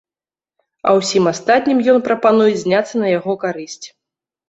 А ўсім астатнім ён прапануе зняцца на яго карысць.